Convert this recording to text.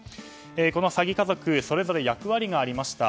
この詐欺家族それぞれ役割がありました。